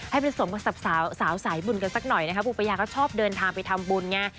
ผสมกับสาวสายบุญกันสักหน่อยนะคะปูปายาก็ชอบเดินทางไปทำบุญไง